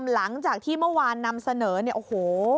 หลังจากที่เมื่อวานนำเสนอเนี่ยโอ้โห